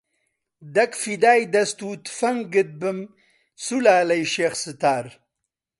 دەک فیدای دەست و تفەنگت بم سولالەی شێخ ستار